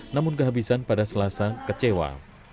namun kehabisan pada selasa kecewa